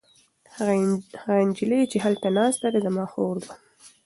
هغه نجلۍ چې هلته ناسته ده زما خور ده.